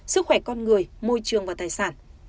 sức khỏe con người môi trường và tài sản